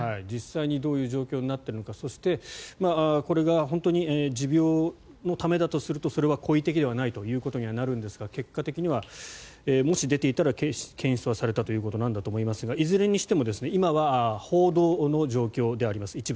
実際にどういう状況になっているのかそしてこれが本当に持病のためだとすると、それは故意的ではないとなるんですが結果的にはもし、出ていたら検出されたということなんだと思いますがいずれにしても今は報道の状況であります。